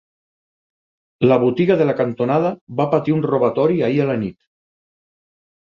La botiga de la cantonada va patir un robatori ahir a la nit.